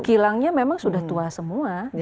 kilangnya memang sudah tua semua